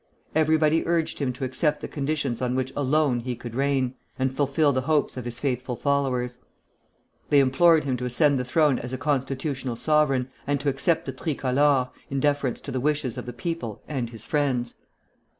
Everybody urged him to accept the conditions on which alone he could reign, and fulfil the hopes of his faithful followers. They implored him to ascend the throne as a constitutional sovereign, and to accept the Tricolor, in deference to the wishes of the people and his friends.